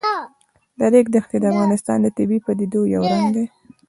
د ریګ دښتې د افغانستان د طبیعي پدیدو یو رنګ دی.